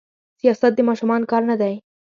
سياست د ماشومانو کار نه دي.